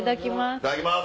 いただきます。